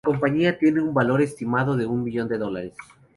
La compañía tiene un valor estimado de un millón de dólares.